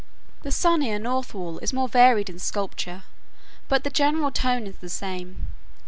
The sunnier north wall is more varied in sculpture, but the general tone is the same.